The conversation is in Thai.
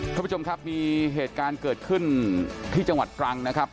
ท่านผู้ชมครับมีเหตุการณ์เกิดขึ้นที่จังหวัดตรังนะครับ